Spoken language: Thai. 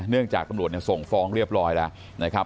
จากตำรวจส่งฟ้องเรียบร้อยแล้วนะครับ